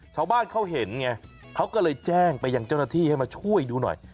ชาวบ้านเขาเห็นไงเขาก็เลยแจ้งไปยังเจ้าหน้าที่ให้มาช่วยดูหน่อย